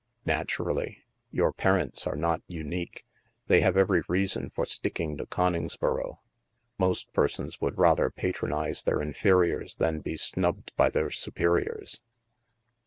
" Naturally. Your parents are not unique. They have every reason for sticking to Coningsboro. Most persons would rather patronize their inferiors than be snubbed by their superiors."